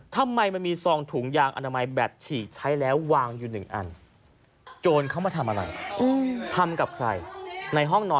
ทำไมมันมี๒ถุงยางอนามัยแบบฉี่ใช้แล้ววางอยู่๑อัน